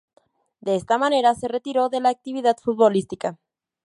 De esta manera se retiró de la actividad futbolística.